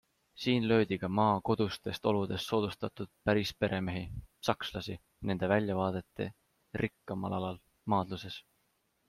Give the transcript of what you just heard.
Siin löödi ka maa kodustest oludest soodustatud pärisperemehi - sakslasi, nende väljavaadete rikkamal alal - maadluses.